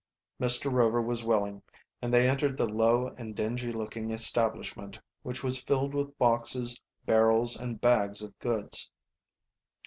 Mr. Rover was willing, and they entered the low and dingy looking establishment, which was filled with boxes, barrels, and bags of goods.